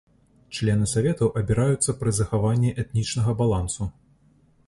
Члены саветаў абіраюцца пры захаванні этнічнага балансу.